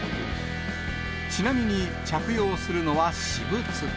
ちなみに、着用するのは私物。